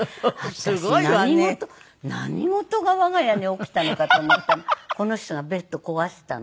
何事が我が家に起きたのかと思ったらこの人がベッド壊したの。